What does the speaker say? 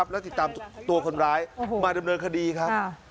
และติดตามตัวคนร้ายมาดำเนินคดีครับ